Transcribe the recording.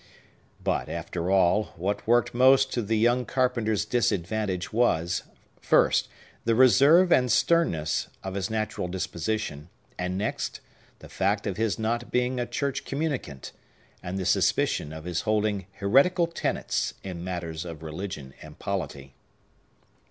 But, after all, what worked most to the young carpenter's disadvantage was, first, the reserve and sternness of his natural disposition, and next, the fact of his not being a church communicant, and the suspicion of his holding heretical tenets in matters of religion and polity.